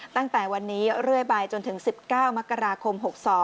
ตั้งแต่วันนี้เรื่อยไปจนถึง๑๙มกราคม๖๒